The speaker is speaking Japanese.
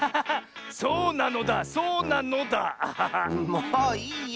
もういいよ。